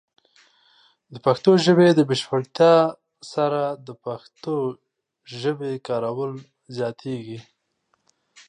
د پښتو ژبې د بشپړتیا سره، د پښتو ژبې کارول زیاتېږي.